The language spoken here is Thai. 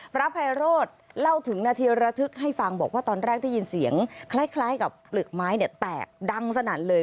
พระไพโรธเล่าถึงนาทีระทึกให้ฟังบอกว่าตอนแรกได้ยินเสียงคล้ายกับเปลือกไม้เนี่ยแตกดังสนั่นเลย